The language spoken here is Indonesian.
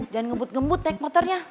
jangan ngebut ngebut naik motornya